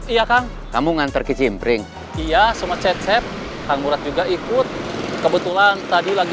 iya kang kamu nganter ke cimpring iya semua cecep kang murad juga ikut kebetulan tadi lagi